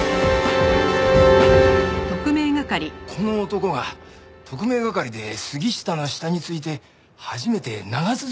この男が特命係で杉下の下について初めて長続きした男で。